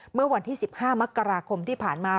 เมื่อวันที่๑๕มกราคมที่ผ่านมา